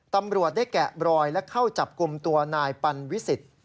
ตำรวจได้แกะบรอยและเข้าจับกลุ่มตัวนายปันวิสิทธิ์